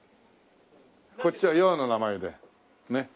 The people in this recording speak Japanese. こっちは洋の名前でねっ。